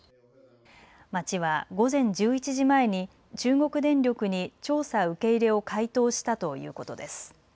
町は午前１１時前に中国電力に調査受け入れを回答したということです。